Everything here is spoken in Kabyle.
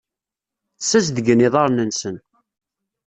Ssazedgen iḍarren-nsen.